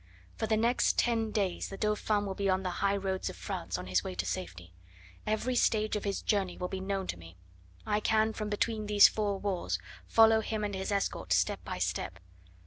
For the next ten days the Dauphin will be on the high roads of France, on his way to safety. Every stage of his journey will be known to me. I can from between these four walls follow him and his escort step by step.